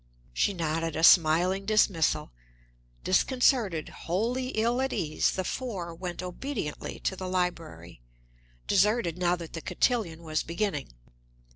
She nodded a smiling dismissal. Disconcerted, wholly ill at ease, the four went obediently to the library, deserted now that the cotillion was beginning.